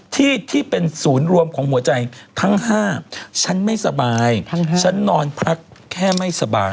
ที่เป็นศูนย์รวมของหัวใจทั้ง๕ฉันไม่สบายฉันนอนพักแค่ไม่สบาย